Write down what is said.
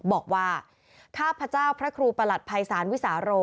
บอกว่าข้าพเจ้าพระครูประหลัดภัยศาลวิสาโร